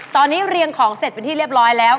ตอนนี้เรียงของเสร็จเป็นที่เรียบร้อยแล้ว